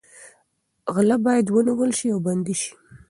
غله باید ونیول شي او بندي شي.